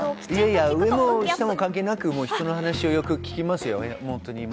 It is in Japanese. いやいや、上も下も関係なく、人の話をよく聞きますよ。